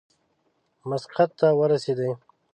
مسقط ته ورسېدی.